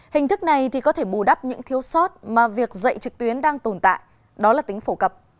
hình thức này có thể bù đắp những thiếu sót mà việc dạy trực tuyến đang tồn tại đó là tính phổ cập